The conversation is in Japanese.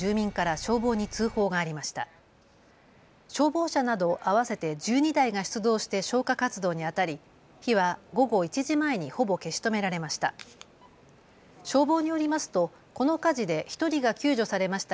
消防車など合わせて１２台が出動して消火活動にあたり火は午後１時前にほぼ消し止められました。